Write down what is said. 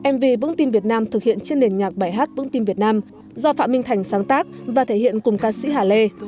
mv vững tim việt nam thực hiện trên nền nhạc bài hát vững tim việt nam do phạm minh thành sáng tác và thể hiện cùng ca sĩ hà lê